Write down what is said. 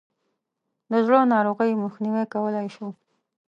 د زړه ناروغیو مخنیوی کولای شو.